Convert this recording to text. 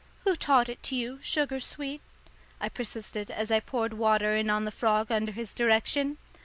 "Who taught it to you, sugar sweet?" I persisted as I poured water in on the frog under his direction.